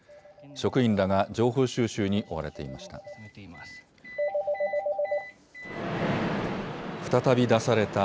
職員らが情報収集に追われていました。